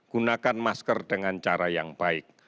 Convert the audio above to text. gunakan masker dengan cara yang baik